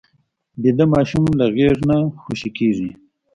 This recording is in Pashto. ویده ماشوم له غېږه نه خوشې کېږي